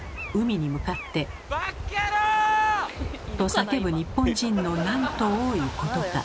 バッカヤロー！と叫ぶ日本人のなんと多いことか。